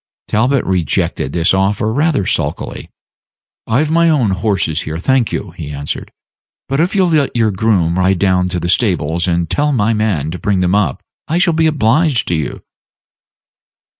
Talbot rejected this offer rather sulkily. "I've my own horses here, thank you," he answered. "But if you'll let your groom ride down to the stables and tell my man to bring them up, I shall be obliged to you."